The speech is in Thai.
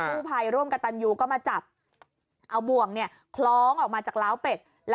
ผู้ภัยร่วมกับตันยูก็มาจับเอาบ่วงเนี่ยคล้องออกมาจากล้าวเป็ด